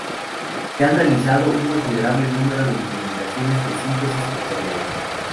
Se han realizado un considerable número de implementaciones de síntesis vectorial.